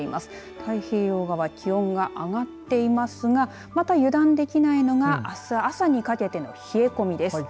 太平洋側気温が上がっていますがまた、油断できないのがあす朝にかけての冷え込みです。